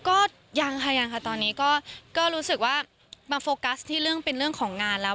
ก็ยังค่ะตอนนี้ก็ก็รู้สึกว่ามาโฟ๊กัสที่เป็นเรื่องของงานแล้ว